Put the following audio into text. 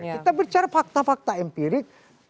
kita bicara fakta fakta empirik